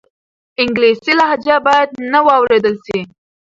انګلیسي لهجه باید نه واورېدل سي.